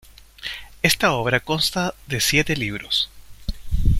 Esta obra consta de siete libros.